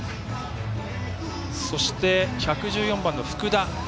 そして、１１４番の福田。